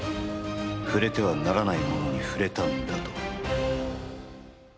触れてはならないものに触れたんだと。